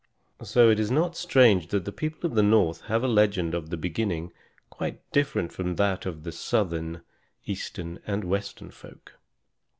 So it is not strange that the people of the North have a legend of the Beginning quite different from that of the Southern, Eastern, and Western folk.